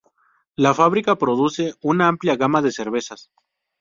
La fábrica produce una amplia gama de cervezas.